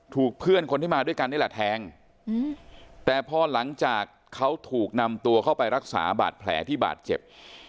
เพื่อนคนที่มาด้วยกันนี่แหละแทงแต่พอหลังจากเขาถูกนำตัวเข้าไปรักษาบาดแผลที่บาดเจ็บ